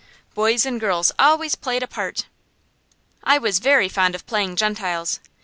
Boys and girls always played apart. I was very fond of playing Gentiles.